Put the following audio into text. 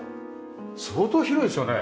相当広いですよね？